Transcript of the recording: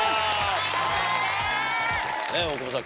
大久保さん